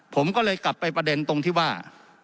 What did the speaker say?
ผมก็เลยกลับไปประเด็นตรงที่ว่า